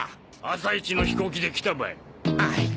朝イチの飛行機で来たばい。